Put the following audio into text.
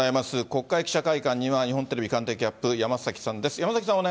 国会記者会館には、日本テレビ官邸キャップ、山崎さんです。